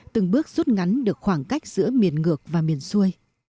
từng bước rút ngắn được khoảng cách giữa miền ngược và miền xuôi